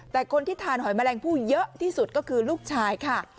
แต่คนที่ทานหอยแมลงผู้เยอะที่สุดก็คือลูกชายค่ะ